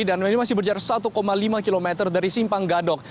dan ini masih berjarah satu lima km dari simpang gadok